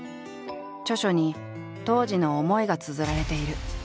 著書に当時の思いがつづられている。